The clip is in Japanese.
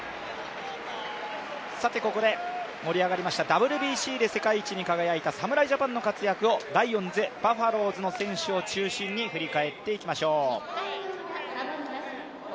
ここで盛り上がりましたＷＢＣで世界一に輝きました侍ジャパンの活躍をライオンズ、バファローズの選手を中心に振り返っていきましょう。